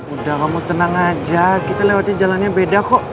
udah kamu tenang aja kita lewati jalannya beda kok